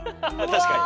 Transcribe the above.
確かに。